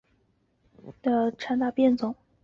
单序波缘大参是五加科大参属波缘大参的变种。